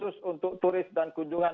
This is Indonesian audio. khusus untuk turis dan kunjungan